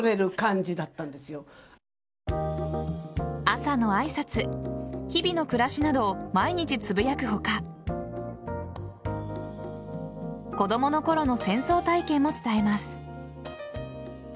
朝の挨拶日々の暮らしなど毎日つぶやく他子供のころの戦争体験も伝えます。